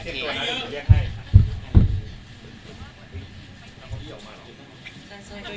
ข้าวให้ก้อนข้าวให้ก้อน